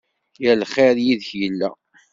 Yal lxir yid-k yella.